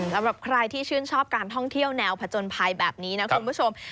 สำหรับใครที่ชื่นชอบการท่องเที่ยวแนวผจญภัยแบบนี้นะคุณผู้ชม